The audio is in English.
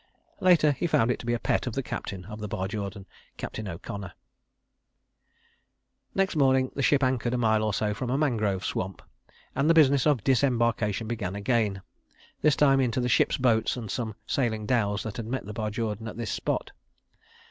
Later he found it to be a pet of the captain of the Barjordan, Captain O'Connor. Next morning the ship anchored a mile or so from a mangrove swamp, and the business of disembarkation began again, this time into the ship's boats and some sailing dhows that had met the Barjordan at this spot.